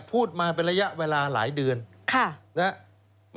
พูดมาเป็นระยะเวลาหลายเดือนนะครับ